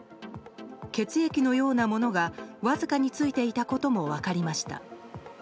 血液のようなものがわずかに付いていたことも分かりました。